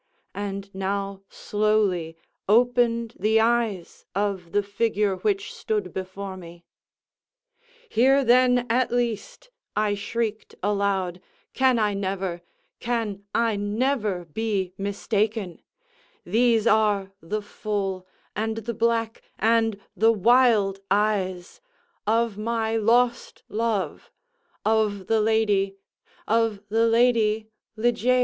_ And now slowly opened the eyes of the figure which stood before me. "Here then, at least," I shrieked aloud, "can I never—can I never be mistaken—these are the full, and the black, and the wild eyes—of my lost love—of the Lady—of the LADY LIGEIA."